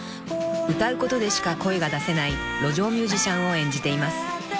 ［歌うことでしか声が出せない路上ミュージシャンを演じています］